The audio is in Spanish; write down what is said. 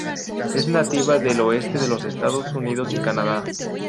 Es nativa del oeste de los Estados Unidos y Canadá.